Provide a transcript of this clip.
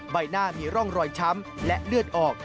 ใบหน้ามีร่องรอยช้ำและเลือดออก